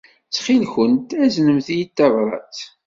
Ttxil-went, aznemt-iyi-d tabṛat.